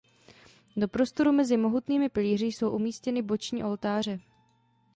Do prostoru mezi mohutnými pilíři jsou umístěny boční oltáře.